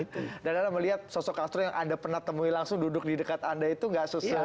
itu adalah melihat sosok astro yang ada pernah temui langsung duduk di dekat anda itu gasusnya